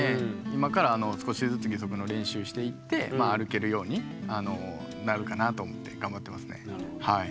今から少しずつ義足の練習していって歩けるようになるかなと思って頑張ってますねはい。